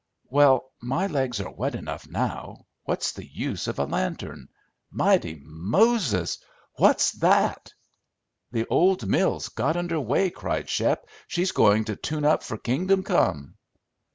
"Well, my legs are wet enough now. What's the use of a lantern? Mighty Moses! What's that?" "The old mill's got under way," cried Shep. "She's going to tune up for Kingdom Come."